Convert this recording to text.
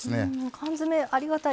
缶詰ありがたい。